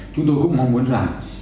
chúng tôi cũng mong muốn rằng